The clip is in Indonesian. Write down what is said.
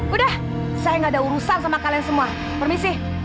udah saya gak ada urusan sama kalian semua permisi